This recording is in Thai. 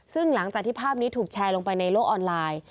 ซึ่งหลังจากที่ภาพนี้ถูกแชร์ลงไปในโลกออนไลน์